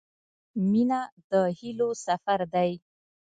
• مینه د هیلو سفر دی.